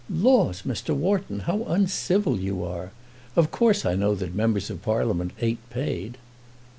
"Laws, Mr. Wharton; how uncivil you are! Of course I know that members of Parliament ain't paid."